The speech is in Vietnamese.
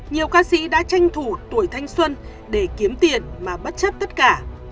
nhiều ca sĩ đã tranh thủ tuổi thanh xuân để kiếm tiền mà bất chấp tất cả